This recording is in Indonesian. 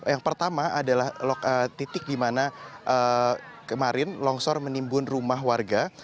yang pertama adalah titik di mana kemarin longsor menimbun rumah warga